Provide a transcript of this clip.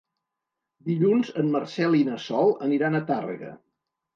Dilluns en Marcel i na Sol aniran a Tàrrega.